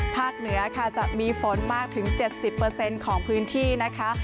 เหนือค่ะจะมีฝนมากถึง๗๐ของพื้นที่นะคะ